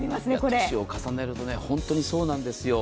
年を重ねると、ホントにそうなんですよ。